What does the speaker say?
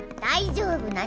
大丈夫。